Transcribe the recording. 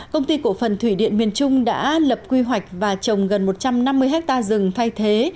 công ty cổ phần thủy điện miền trung đã lập quy hoạch và trồng gần một trăm năm mươi hectare rừng thay thế